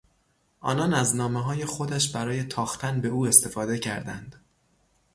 آنان از نامههای خودش برای تاختن به او استفاده کردند.